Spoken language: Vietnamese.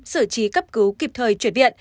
sử trí cấp cứu kịp thời chuyển viện